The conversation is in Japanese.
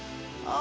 あ？